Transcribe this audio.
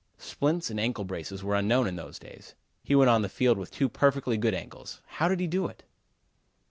Splints and ankle braces were unknown in those days. He went on the field with two perfectly good ankles. How did he do it?"